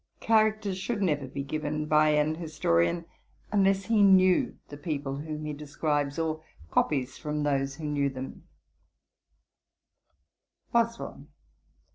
Characters should never be given by an historian, unless he knew the people whom he describes, or copies from those who knew them.' BOSWELL.